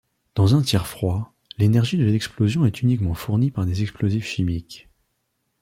Dans un tir froid, l'énergie de l'explosion est uniquement fournie par des explosifs chimiques.